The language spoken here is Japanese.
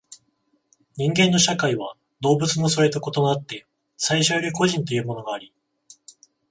人間の社会は動物のそれと異なって最初より個人というものがあり、